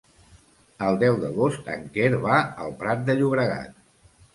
El deu d'agost en Quer va al Prat de Llobregat.